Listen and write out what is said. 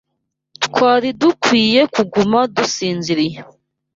Twari dukwiye kuguma dusinziriye